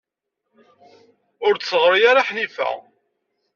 Ur d-teɣri ara Ḥnifa.